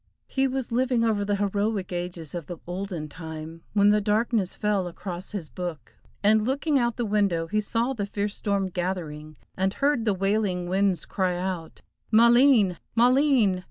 He was living over the heroic ages of the olden time, when the darkness fell across his book, and looking out the window he saw the fierce storm gathering, and heard the wailing winds crying out, Maleen! Maleen!